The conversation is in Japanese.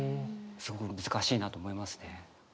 すごく難しいなと思いますね。